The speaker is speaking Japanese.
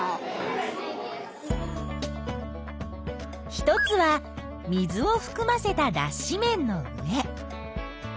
一つは水をふくませただっし綿の上。